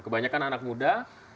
kebanyakan anak muda